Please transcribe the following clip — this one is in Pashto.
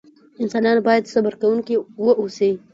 انسان بايد صبر کوونکی واوسئ.